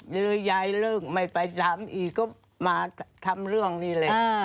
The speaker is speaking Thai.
ยายเลิกไม่ไปทำอีกก็มาทำเรื่องนี่แหละ